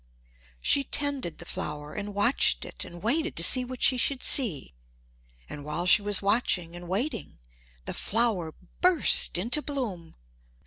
She tended the flower and watched it and waited to see what she should see; and while she was watching and waiting, the flower burst into bloom.